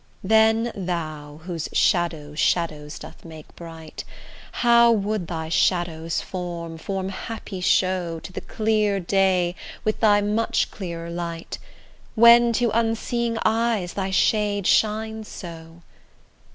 Then thou, whose shadow shadows doth make bright, How would thy shadow's form form happy show To the clear day with thy much clearer light, When to unseeing eyes thy shade shines so!